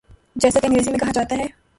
جیسا کہ انگریزی میں کہا جاتا ہے۔